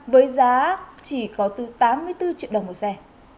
với giá chỉ có từ tám mươi bốn triệu đồng một xe